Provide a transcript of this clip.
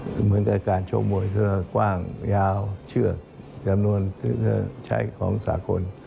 เหมือนกฎิกาโชคมวยที่จะกว้างยาวเชื่อจำนวนที่จะใช้ของสากล